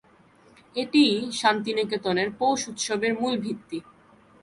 এটিই শান্তিনিকেতনের "পৌষ উৎসবে"র মূল ভিত্তি।